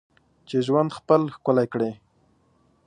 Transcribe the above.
چې ژوند خپل ښکلی کړې.